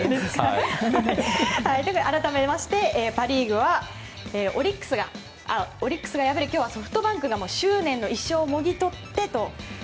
改めましてパ・リーグはオリックスが敗れ今日はソフトバンクが執念の一勝をもぎ取ってと。